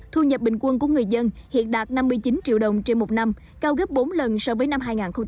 thu nhập bình quân của người dân hiện đạt năm mươi chín triệu đồng trên một năm cao gấp bốn lần so với năm hai nghìn một mươi